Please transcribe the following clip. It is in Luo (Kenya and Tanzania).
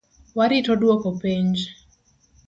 Warito duoko penj